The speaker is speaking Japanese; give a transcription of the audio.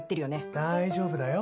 大丈夫だよ。